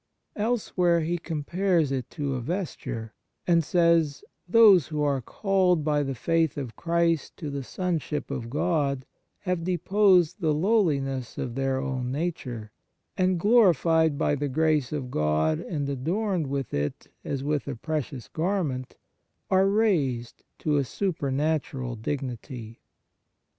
Elsewhere he compares it to a vesture, and says: " Those who are called by the faith of Christ to the sonship of God have deposed the lowliness of their own nature, and, glorified by the grace of God and adorned with it as with a precious garment, are raised to a supernatural dignity."